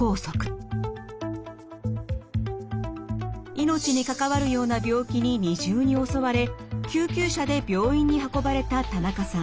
命に関わるような病気に二重に襲われ救急車で病院に運ばれた田中さん。